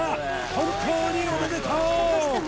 本当におめでとう！